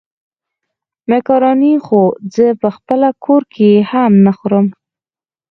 مېکاروني خو زه په خپل کور کې هم نه خورم.